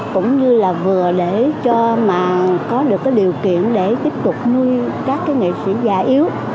cũng như là vừa để cho mà có được cái điều kiện để tiếp tục nuôi các cái nghệ sĩ già yếu